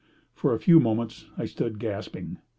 For a few moments I stood gasping.